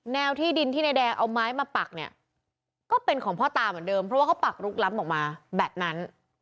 ที่ดินที่นายแดงเอาไม้มาปักเนี่ยก็เป็นของพ่อตาเหมือนเดิมเพราะว่าเขาปักลุกล้ำออกมาแบบนั้น